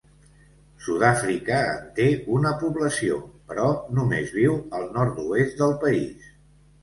Sud-àfrica en té una població, però només viu al nord-oest del país.